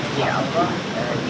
kita akan menghidupkan